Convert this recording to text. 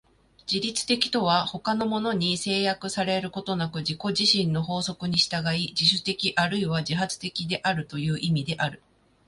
自律的とは他のものに制約されることなく自己自身の法則に従い、自主的あるいは自発的であるという意味である。